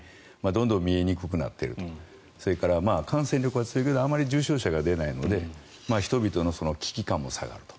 どんどん見えにくくなっているとそれから感染力は強いけど重症者は出ないので人々の危機感も下がると。